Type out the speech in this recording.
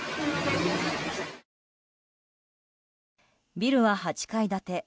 ビルは８階建て。